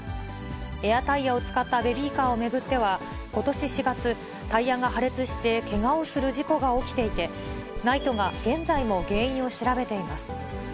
エアタイヤを使ったベビーカーを巡っては、ことし４月、タイヤが破裂して、けがをする事故が起きていて、ＮＩＴＥが現在も原因を調べています。